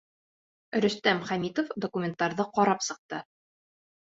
Рөстәм Хәмитов документтарҙы ҡарап сыҡты.